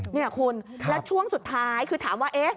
นี่คุณแล้วช่วงสุดท้ายคือถามว่า